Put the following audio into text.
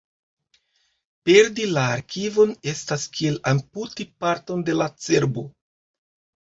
Perdi la arkivon estas kiel amputi parton de la cerbo.